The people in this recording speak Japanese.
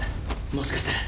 もしかして！？